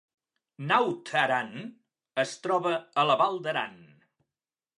Naut Aran es troba a la Val d’Aran